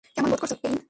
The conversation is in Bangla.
কেমন বোধ করছো, কেইন?